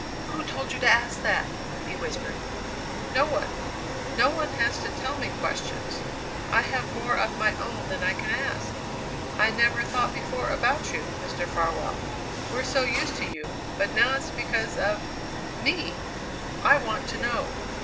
"Who told you to ask that?" he whispered. "No one. No one has to tell me questions; I have more of my own than I can ask. I never thought before about you, Mr. Farwell, we're so used to you, but now it's because of me. I want to know.